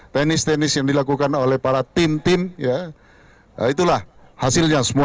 teknis teknis yang dilakukan oleh para tim tim itulah hasilnya semua